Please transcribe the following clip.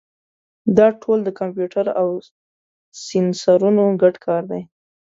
دا ټول د کمپیوټر او سینسرونو ګډ کار دی.